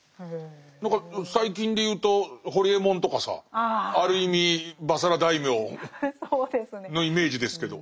何か最近で言うとホリエモンとかさある意味婆娑羅大名のイメージですけど。